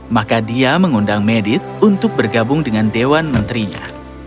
maka dia mengundang medit untuk bergabung dengan dewan menterinya